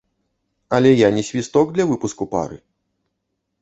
Але я не свісток для выпуску пары.